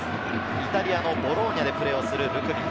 イタリアのボローニャでプレーをするルクミ。